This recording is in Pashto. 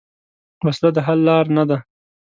وسله د حل لار نه ده